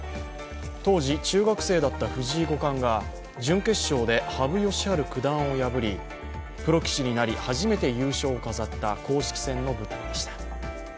当時、中学生だった藤井五冠が準決勝で羽生善治九段を破り、プロ棋士になり初めて優勝を飾った公式戦の舞台でした。